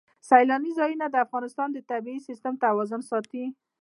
سیلانی ځایونه د افغانستان د طبعي سیسټم توازن ساتي.